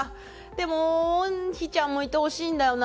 ウォンヒちゃんもいてほしいんだよな